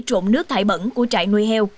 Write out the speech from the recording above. trộn nước thải bẩn của trại nuôi heo